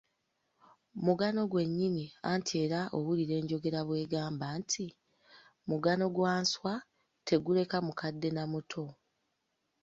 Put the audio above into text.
Mugano gwennyini anti era owulira enjogera egamba nti, "Mugano gwa nswa teguleka mukadde na muto".